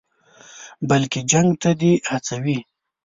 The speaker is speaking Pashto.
بلکې جنګ ته دې هڅوي.